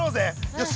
よし。